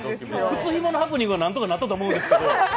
靴ひものハプニングは何とかなったと思うんですけど。